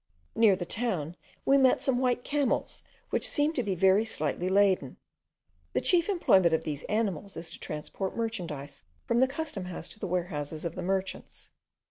Near the town we met some white camels, which seemed to be very slightly laden. The chief employment of these animals is to transport merchandise from the custom house to the warehouses of the merchants.